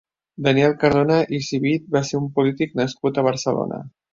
Daniel Cardona i Civit va ser un polític nascut a Barcelona.